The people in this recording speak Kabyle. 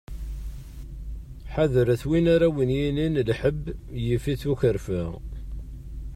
Ḥader-t win ara awen-yinin lḥeb yif-it ukerfa!